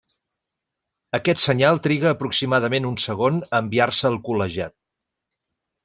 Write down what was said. Aquest senyal triga aproximadament un segon a enviar-se al col·legiat.